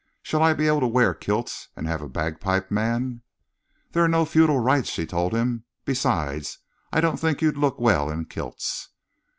"Shall I be able to wear kilts and have a bagpipe man?" "There are no feudal rights," she told him. "Besides, I don't think you'd look well in kilts."